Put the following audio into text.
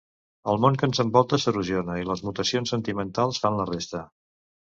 El món que ens envolta s'erosiona i les mutacions sentimentals fan la resta.